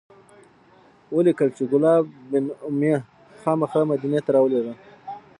ولیکل چې کلاب بن امیة خامخا مدینې ته راولیږه.